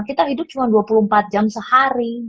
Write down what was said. kita hidup cuma dua puluh empat jam sehari